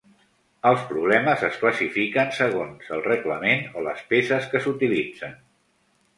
Els problemes es classifiquen segons el reglament o les peces que s'utilitzen.